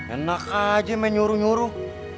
enak aja main nyuruh nyuruh